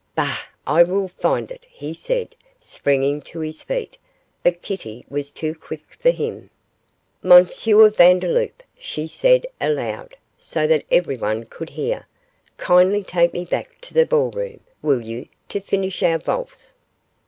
'Bah! I will find it,' he said, springing to his feet, but Kitty was too quick for him. 'M. Vandeloup,' she said aloud, so that everyone could hear; 'kindly take me back to the ball room, will you, to finish our valse.